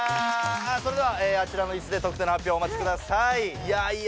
それではあちらの椅子で得点の発表をお待ちくださいいや